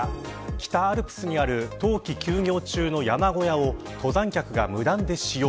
北アルプスにある冬季休業中の山小屋を登山客が無断で使用。